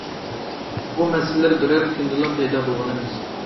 بۇ مەسىلىلەر بىر كۈندىلا پەيدا بولغان ئەمەس.